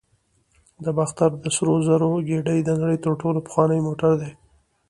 د باختر د سرو زرو ګېډۍ د نړۍ تر ټولو پخوانی موټر دی